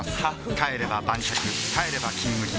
帰れば晩酌帰れば「金麦」